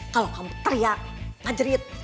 kalau kamu teriak ngerit